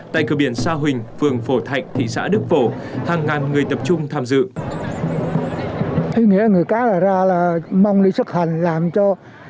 tại cửa biển sa huỳnh phường phổ thạnh thị xã đức phổ hàng ngàn người tập trung tham dự